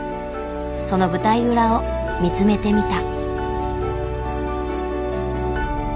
その舞台裏を見つめてみた。